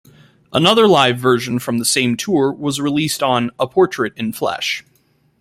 Another live version from the same tour was released on "A Portrait in Flesh".